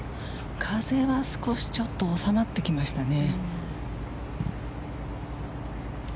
風は少し収まってきましたね。